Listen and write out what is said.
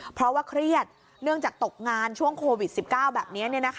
เพราะว่าเครียดเนื่องจากตกงานช่วงโควิด๑๙แบบนี้